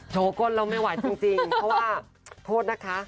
ก้นเราไม่ไหวจริงเพราะว่าโทษนะคะ